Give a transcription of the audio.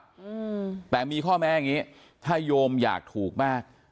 อืมแต่มีข้อแม้อย่างงี้ถ้าโยมอยากถูกมาก